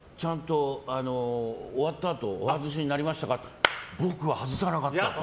その間、あなたちゃんと終わったあとにお外しになりましたかって僕は外さなかった。